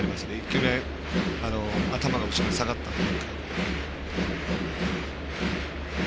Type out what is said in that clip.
１球目、頭が後ろに下がったので。